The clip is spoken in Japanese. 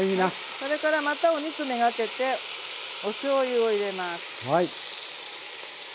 それからまたお肉目がけておしょうゆを入れます。